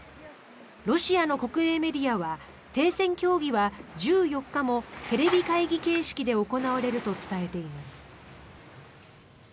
ロシアの国営メディアは停戦協議は１４日もテレビ会議形式で行われると伝えています。